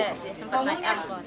iya sempat naik angkut